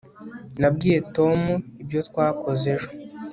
nabwiye tom ibyo twakoze ejo